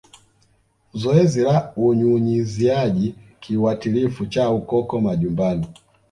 Zoezi la Unyunyiziaji kiuatilifu cha Ukoko majumbani